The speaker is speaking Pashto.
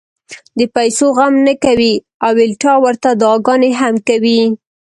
د پېسو غم نۀ کوي او الټا ورته دعاګانې هم کوي -